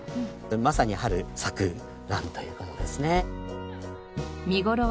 まさに春咲く蘭という事ですね。